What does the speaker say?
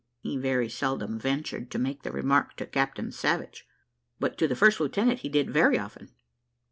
He very seldom ventured to make the remark to Captain Savage, but to the first lieutenant he did very often.